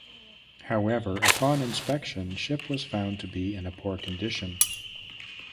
However, upon inspection, ship was found to be in a poor condition.